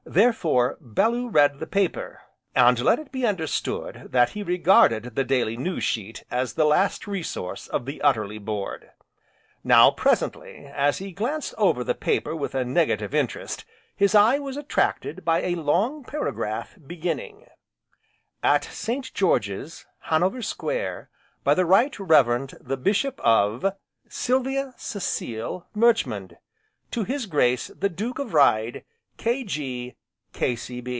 Therefore, Bellew read the paper, and let it be understood that he regarded the daily news sheet as the last resource of the utterly bored. Now presently, as he glanced over the paper with a negative interest his eye was attracted by a long paragraph beginning: At St. George's, Hanover Square, by the Right Reverend the Bishop of , Silvia Cecile Marchmont, to His Grace the Duke of Ryde, K.G.